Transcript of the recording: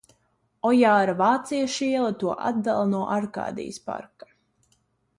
Ojāra Vācieša iela to atdala no Arkādijas parka.